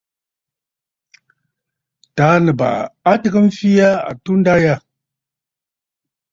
Taà Nɨ̀bàʼà a tɨgə mfee aa atunda yâ.